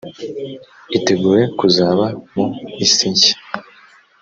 itegure kuzaba mu isi nshya